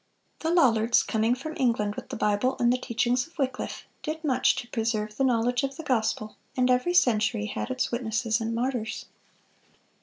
The Lollards, coming from England with the Bible and the teachings of Wycliffe, did much to preserve the knowledge of the gospel, and every century had its witnesses and martyrs.